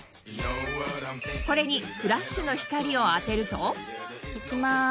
これにフラッシュの光を当てるといきます